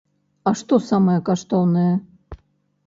А што самае каштоўнае?